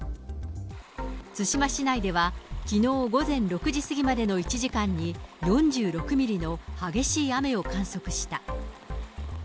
対馬市内では、きのう午前６時過ぎまでの１時間に４６ミリの激しい雨を観測した。